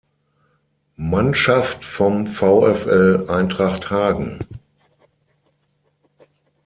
Mannschaft vom VfL Eintracht Hagen.